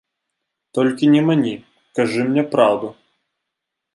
Толькі не мані, кажы мне праўду.